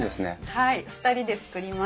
はい２人で作りました。